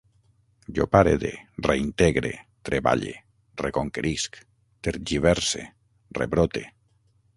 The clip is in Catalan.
Jo parede, reintegre, treballe, reconquerisc, tergiverse, rebrote